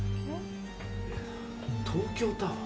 東京タワー。